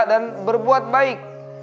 dan berbuat baik